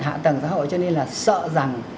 hạ tầng xã hội cho nên là sợ rằng